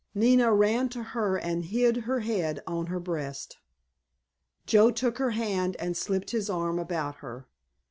Nina ran to her and hid her head on her breast. Joe took her hand and slipped his arm about her.